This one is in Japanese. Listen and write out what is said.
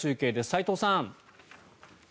齋藤さん。